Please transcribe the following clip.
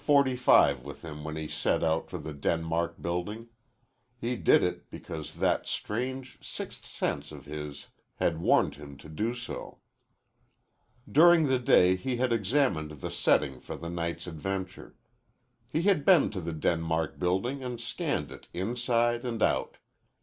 45 with him when he set out for the Denmark Building. He did it because that strange sixth sense of his had warned him to do so. During the day he had examined the setting for the night's adventure. He had been to the Denmark Building and scanned it inside and out.